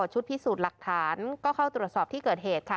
ชุดพิสูจน์หลักฐานก็เข้าตรวจสอบที่เกิดเหตุค่ะ